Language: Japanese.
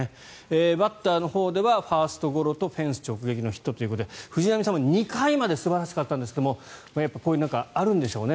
バッターのほうではファーストゴロとフェンス直撃のヒットということで藤浪さんは２回までは素晴らしかったんですがこういうの、あるんでしょうね。